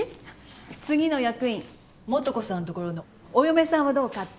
次の役員素子さんところのお嫁さんはどうかって。